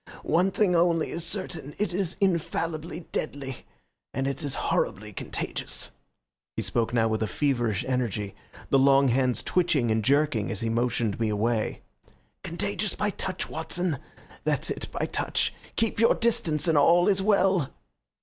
One thing only is certain. It is infallibly deadly, and it is horribly contagious." He spoke now with a feverish energy, the long hands twitching and jerking as he motioned me away. "Contagious by touch, Watson that's it, by touch. Keep your distance and all is well."